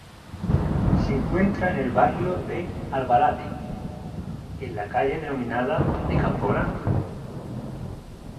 Se encuentra en el barrio de Alvalade, en la calle denominada de Campo Grande.